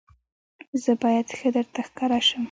زه باید ښه درته ښکاره شم.